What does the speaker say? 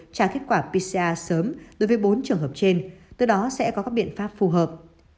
trả kết quả pcr sớm đối với bốn trường hợp trên từ đó sẽ có các biện pháp phù hợp